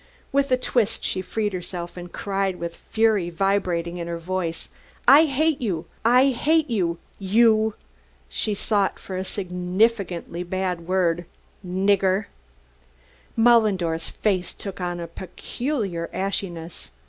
With a twist she freed herself and cried with fury vibrating in her voice, "I hate you I hate you! You " she sought for a sufficiently opprobrious word "nigger!" Mullendore's face took on a peculiar ashiness.